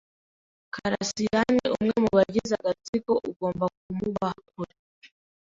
Karasirani umwe mu bagize agatsiko. Ugomba kumuba kure.